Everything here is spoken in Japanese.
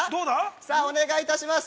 さあお願いいたします！